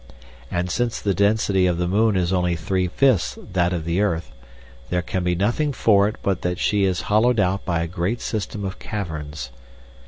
And since the density of the moon is only three fifths that of the earth, there can be nothing for it but that she is hollowed out by a great system of caverns.